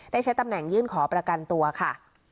ได้ใช้ตำแหน่งยื่นขอประกันตัวค่ะ